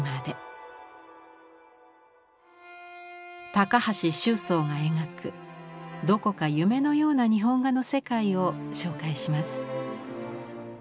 高橋周桑が描くどこか夢のような日本画の世界を紹介します。